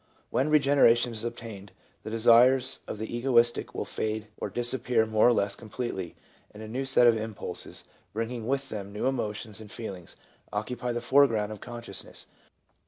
When regeneration is obtained, the desires of the egoistic will fade or disappear more or less completely, and a set of new impulses, bringing with them new emotions and feelings, occupy the foreground of consciousness.